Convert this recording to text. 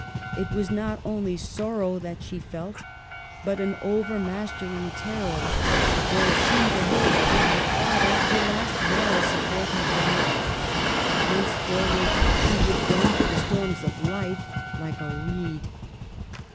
It was not only sor row that she felt, but an overmastering terror, for it seemed to her that with her father her last moral support had vanished. Henceforward she would bend to the storms of life like a reed.